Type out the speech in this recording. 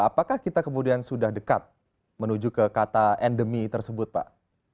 apakah kita kemudian sudah dekat menuju ke kata endemi tersebut pak